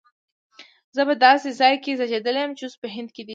زه په یو داسي ځای کي زیږېدلی یم چي اوس په هند کي دی